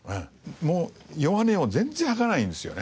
もう弱音を全然吐かないんですよね